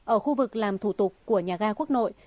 ở khu vực làm thủ tục của nhà ga quốc nội